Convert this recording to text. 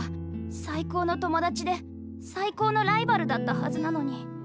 最高の友達で最高のライバルだったはずなのに。